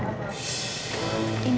ini ya mbak makasih